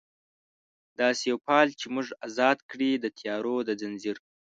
داسي یو فال چې موږ ازاد کړي، د تیارو د ځنځیر